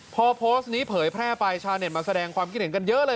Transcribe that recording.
พอโพสต์นี้เผยแพร่ไปชาวเน็ตมาแสดงความคิดเห็นกันเยอะเลย